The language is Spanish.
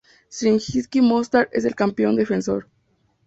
Zrinjski Mostar es el campeón defensor.